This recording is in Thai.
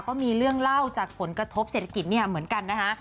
ก็มีเรื่องเล่าจากผลกระทบเศรษฐกิจเนี่ยเหมือนกันนะคะ